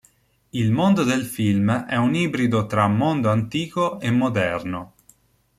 Il mondo del film è un ibrido tra mondo antico e moderno.